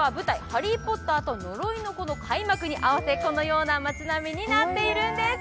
「ハリー・ポッターと呪いの子」の開幕に合わせ、このような町並みになっているんです。